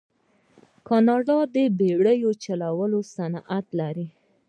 کاناډا د بیړۍ چلولو صنعت لري.